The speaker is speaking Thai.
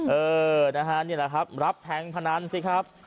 เออนะฮะนี่แหละครับรับแทงพนันสิครับ